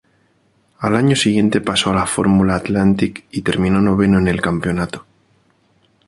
Al año siguiente pasó a la Formula Atlantic y terminó noveno en el campeonato.